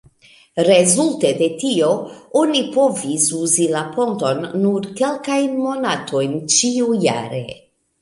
Rezulte de tio, oni povis uzi la ponton nur kelkajn monatojn ĉiujare.